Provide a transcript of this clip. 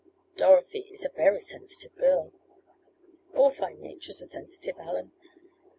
"Dorothy is a very sensitive girl." "All fine natures are sensitive, Allen.